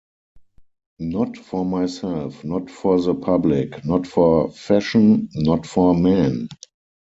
Not for myself, not for the public, not for fashion, not for men.